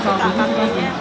sama bu susi